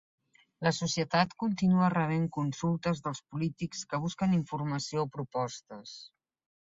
La Societat continua rebent consultes dels polítics que busquen informació o propostes.